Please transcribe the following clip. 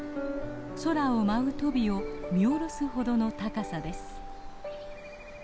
空を舞うトビを見下ろすほどの高さです。